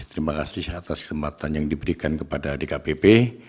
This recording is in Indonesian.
terima kasih atas kesempatan yang diberikan kepada dkpp